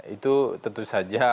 itu tentu saja